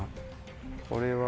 これは。